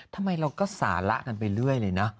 ทำไมเราก็สาระกันไปเรื่อยเลยนะ